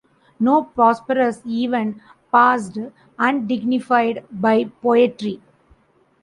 No prosperous event passed undignified by poetry.